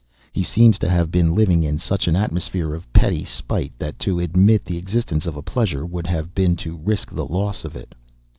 He seems to have been living in such an atmosphere of petty spite that to admit the existence of a pleasure would have been to risk the loss of it.